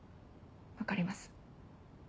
分かります。